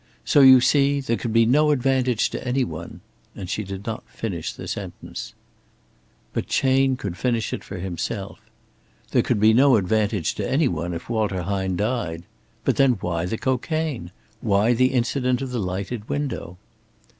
So you see, there could be no advantage to any one " and she did not finish the sentence. But Chayne could finish it for himself. There could be no advantage to any one if Walter Hine died. But then why the cocaine? Why the incident of the lighted window?